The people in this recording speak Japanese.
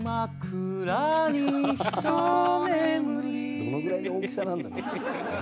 どのぐらいの大きさなんだろう？